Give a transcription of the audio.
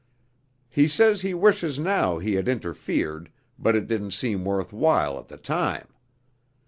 "He says he wishes now he had interfered, but it didn't seem worth while at the time.